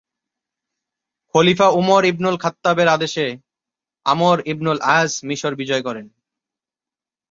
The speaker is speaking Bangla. খলিফা উমর ইবনুল খাত্তাবের আদেশে আমর ইবনুল আস মিশর বিজয় করেন।